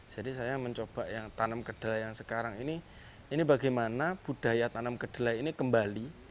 jadi saya mencoba tanam kedelai yang sekarang ini ini bagaimana budaya tanam kedelai ini kembali